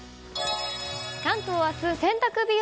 関東明日、洗濯日和。